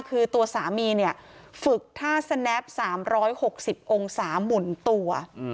คือตัวสามีเนี่ยฝึกท่าสแนป๓๖๐องศาหมุนตัว